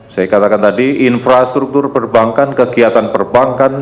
saya katakan tadi infrastruktur perbankan kegiatan perbankan